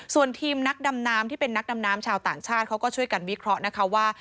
ส่วนทีมนักดำน้ำที่เป็นนักดำน้ำชาวต่างชาติเขาก็ช่วยกันวิเคราะห์นะคะว่า